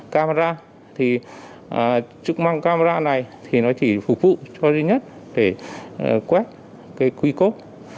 cái chức năng camera này thì nó chỉ phục vụ cho duy nhất để quét cái quy cốt